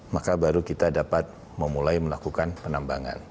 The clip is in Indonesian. maka baru kita dapat memulai melakukan penambangan